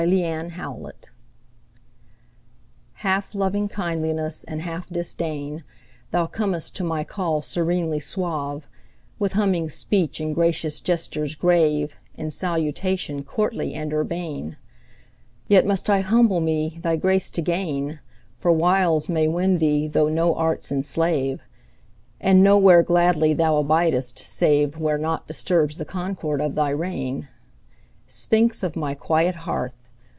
1860 To My Cat HALF loving kindliness and half disdain, Thou comest to my call serenely suave, With humming speech and gracious gestures grave, In salutation courtly and urbane; Yet must I humble me thy grace to gain, For wiles may win thee though no arts enslave, And nowhere gladly thou abidest saveWhere naught disturbs the concord of thy reign. Sphinx of my quiet hearth!